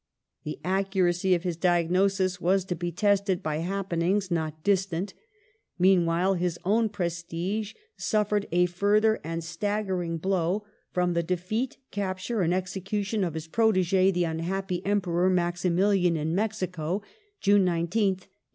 The accuracy of his diagnosis was to be tested by happenings not distant. Meanwhile, his own prestige suffered a further and a staggering blow from the defeat, COLONIAL AND FOREIGN POLICY [1864 capture, and execution of his proteg6 the unhappy Emperor Maximilian in Mexico ^ (June 19th, 1867).